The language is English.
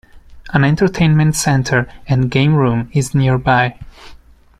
An entertainment center-and game room is nearby.